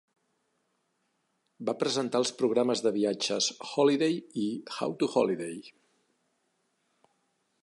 Va presentar els programes de viatges "Holiday" i "How to Holiday".